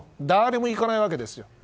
誰も行かないわけですよ。